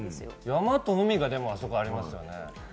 山と海がありますよね。